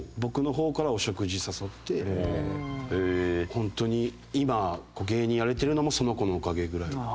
本当に今芸人やれてるのもその子のおかげぐらいの。